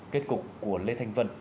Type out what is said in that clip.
kết cục của lê thanh vân